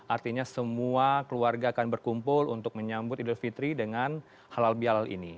artinya semua keluarga akan berkumpul untuk menyambut idul fitri dengan halal bial ini